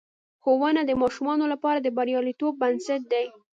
ښوونه د ماشومانو لپاره د بریالیتوب بنسټ دی.